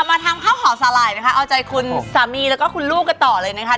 มาทำข้าวขอสาหร่ายนะคะเอาใจคุณสามีแล้วก็คุณลูกกันต่อเลยนะคะ